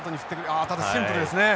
あただシンプルですね。